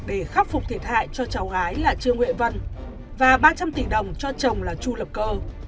để khắc phục thiệt hại cho cháu gái là trương huệ vân và ba trăm linh tỷ đồng cho chồng là chu lập cơ